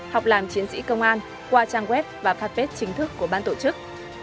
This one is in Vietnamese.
học làm chiến sĩ công an qua trang web và phát phết chính thức của ban tổ chức